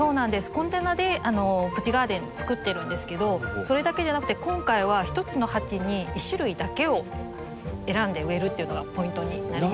コンテナでプチガーデンつくってるんですけどそれだけじゃなくて今回は１つの鉢に１種類だけを選んで植えるっていうのがポイントになります。